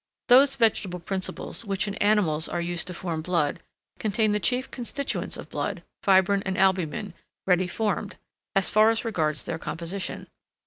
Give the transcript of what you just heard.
Those vegetable principles, which in animals are used to form blood, contain the chief constituents of blood, fibrine and albumen, ready formed, as far as regards their composition.